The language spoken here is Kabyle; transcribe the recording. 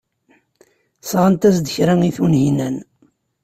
Sɣant-as-d kra i Tunhinan.